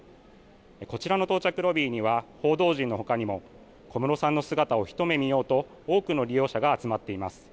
こちらの到着ロビーには、報道陣のほかにも、小室さんの姿を一目見ようと多くの利用者が集まっています。